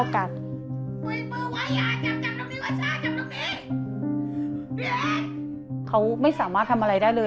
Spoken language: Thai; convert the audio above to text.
เขาไม่สามารถทำอะไรได้เลย